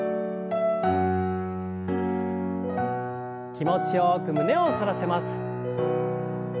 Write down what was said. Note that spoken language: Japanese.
気持ちよく胸を反らせます。